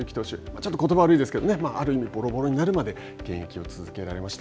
ちょっとことばは悪いですけれどもある意味、ぼろぼろになるまで現役を続けられました。